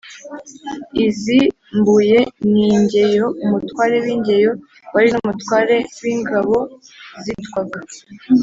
Iz’ i Mbuye: Ni Ingeyo. Umutware w’Ingeyo wari n’Umutware w’ingabo zitwaga